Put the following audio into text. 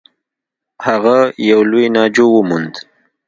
هغه یو لوی ناجو و موند.